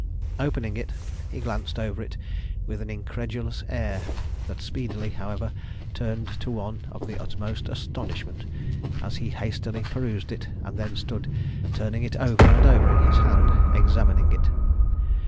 Opening it, he glanced over it with an incredulous air that speedily, however, turned to one of the utmost astonishment, as he hastily perused it, and then stood turning it over and over in his hand, examining it.